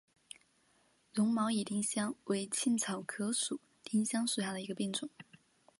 绒毛野丁香为茜草科野丁香属下的一个变种。